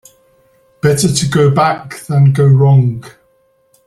Better to go back than go wrong.